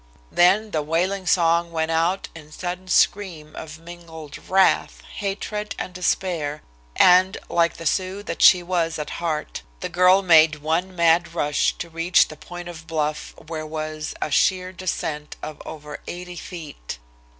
Then the wailing song went out in sudden scream of mingled wrath, hatred and despair, and, like the Sioux that she was at heart, the girl made one mad rush to reach the point of bluff where was a sheer descent of over eighty feet.